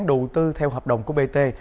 đầu tư theo hợp đồng của bt